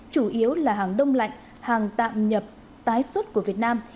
chủ yếu là hàng đông lạnh hàng tạm nhập tái xuất của việt nam